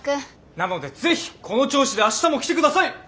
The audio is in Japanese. なのでぜひこの調子で明日も来て下さい！